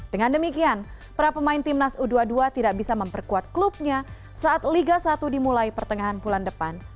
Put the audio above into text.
dengan demikian prapemain timnas u dua puluh dua tidak bisa memperkuat klubnya saat liga satu dimulai pertengahan bulan depan